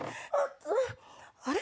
あれ？